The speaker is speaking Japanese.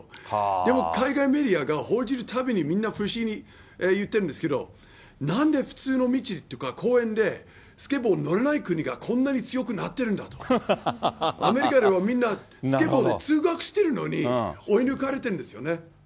でも海外メディアが報じるたびに、みんな不思議に言ってるんですけど、なんで普通の道とか公園で、スケボー乗れない国がこんなに強くなってるんだとか、アメリカではみんな、スケボーで通学してるのに、追い抜かれてるんですよね。